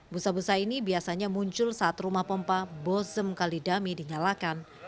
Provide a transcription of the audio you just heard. busa busa ini biasanya muncul saat rumah pompa bozem kalidami dinyalakan